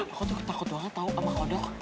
aku tuh takut banget tau sama kodok